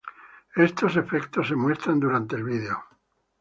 Estos efectos se muestran durante el vídeo.